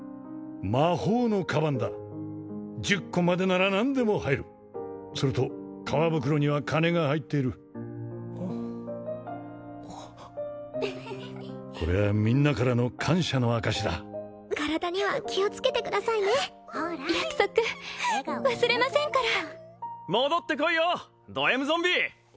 魔法の鞄だ１０個までなら何でも入るそれと革袋には金が入っているこれはみんなからの感謝の証しだ体には気をつけてくださいねほら笑顔で見送らないと約束忘れませんから戻ってこいよドＭゾンビ！